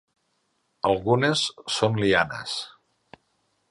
Algunes són lianes.